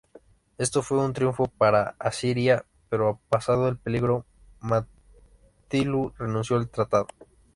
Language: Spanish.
Esto fue un triunfo para Asiria, pero pasado el peligro, Mati-ilu denunció el tratado.